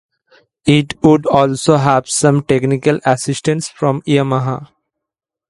It would also have some technical assistance from Yamaha.